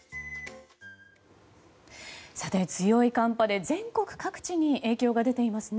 強い寒波で全国各地に影響が出ていますね。